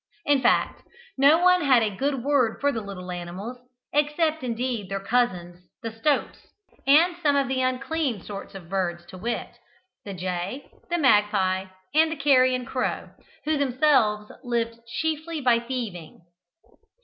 In fact, no one had a good word for the little animals, except indeed their cousins the stoats, and some of the unclean sorts of birds, to wit, the jay, the magpie and the carrion crow, who themselves lived chiefly by thieving.